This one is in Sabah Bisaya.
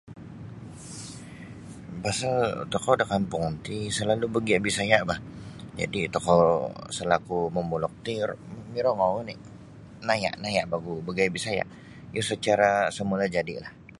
Pasal tokou da kampung ti salalu bagia Bisaya bah jadi tokou selaku mamulok ti mirongou oni naya naya nogu bagayad Bisaya iyo sacara semulajadi lah.